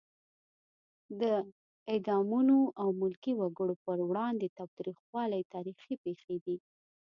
د اعدامونو او ملکي وګړو پر وړاندې تاوتریخوالی تاریخي پېښې دي.